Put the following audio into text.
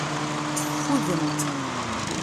Teffudemt.